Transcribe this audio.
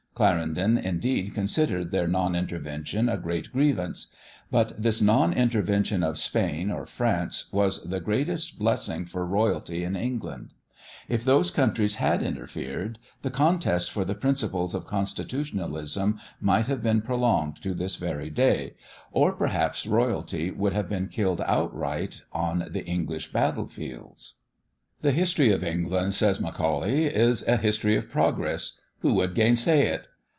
Clarendon indeed considered their non intervention a great grievance. But this non intervention of Spain or France was the greatest blessing for royalty in England. If those countries had interfered, the contest for the principles of constitutionalism might have been prolonged to this very day, or perhaps royalty would have been killed outright on the English battle fields. [B] Macaulay's Essays, vol. ii. The history of England says Macaulay is a history of progress. Who would gainsay it?